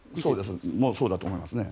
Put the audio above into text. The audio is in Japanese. そうだと思いますね。